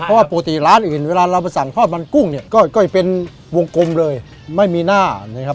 เพราะว่าปกติร้านอื่นเวลาเราไปสั่งทอดมันกุ้งเนี่ยก็จะเป็นวงกลมเลยไม่มีหน้านะครับ